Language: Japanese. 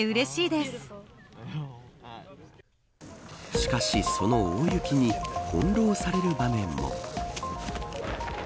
しかし、その大雪に翻弄される場面も。